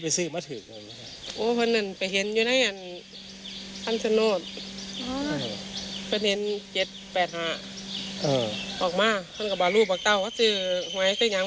แต่เมื่อที่หน้าจักรนางจรวมมา